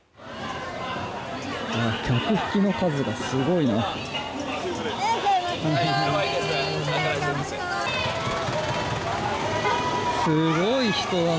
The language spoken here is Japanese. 客引きの数がすごいな。